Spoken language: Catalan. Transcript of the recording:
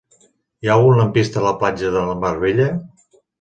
Hi ha algun lampista a la platja de la Mar Bella?